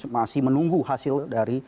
masih menunggu hasil dari